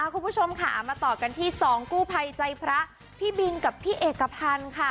คุณผู้ชมค่ะมาต่อกันที่๒กู้ภัยใจพระพี่บินกับพี่เอกพันธ์ค่ะ